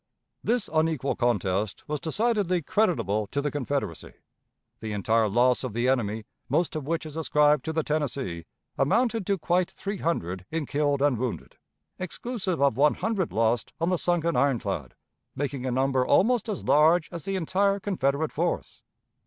This unequal contest was decidedly creditable to the Confederacy. The entire loss of the enemy, most of which is ascribed to the Tennessee, amounted to quite three hundred in killed and wounded, exclusive of one hundred lost on the sunken ironclad, making a number almost as large as the entire Confederate force.